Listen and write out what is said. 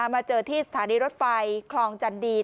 มาเจอที่สถานีรถไฟคลองจันดี